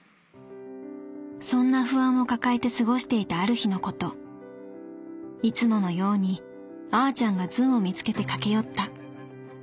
「そんな不安を抱えて過ごしていたある日のこといつものようにあーちゃんがズンを見つけて駆け寄った。